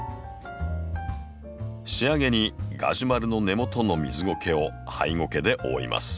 仕上げにガジュマルの根元の水ゴケをハイゴケで覆います。